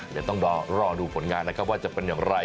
เดี๋ยวต้องรอดูผลงานนะครับว่าจะเป็นอย่างไร